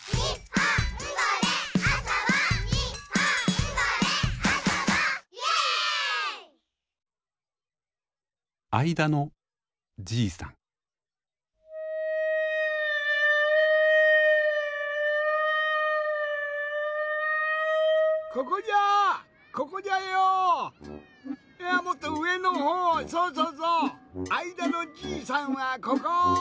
あいだのじいさんはここ。